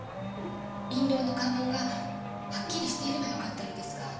印籠の家紋がはっきりしていればよかったのですが。